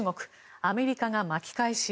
アメリカが巻き返しへ。